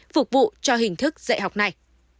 phục vụ cho hình thức dạy học này